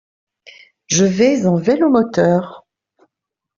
Je vais en vélomoteur.